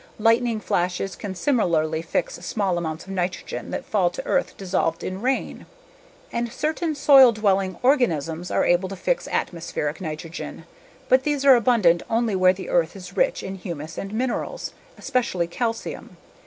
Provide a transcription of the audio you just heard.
Lightning flashes can similarly fix small amounts of nitrogen that fall to earth dissolved in rain. And certain soil dwelling microorganisms are able to fix atmospheric nitrogen. But these are abundant only where the earth is rich in humus and minerals, especially calcium.